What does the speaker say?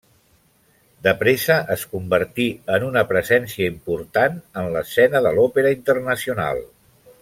De pressa es convertí en una presència important en l'escena de l'òpera internacional.